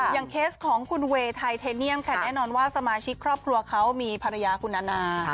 เคสของคุณเวย์ไทเทเนียมค่ะแน่นอนว่าสมาชิกครอบครัวเขามีภรรยาคุณนานา